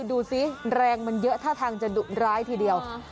ดูสิแรงมันเยอะท่าทางจะดุร้ายทีเดียว